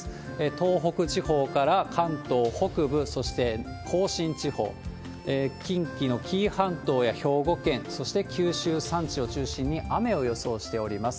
東北地方から関東北部、そして甲信地方、近畿の紀伊半島や兵庫県、そして九州山地を中心に雨を予想しております。